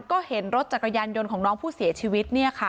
ก็เห็นรถจักรยานยนต์ของน้องผู้เสียชีวิต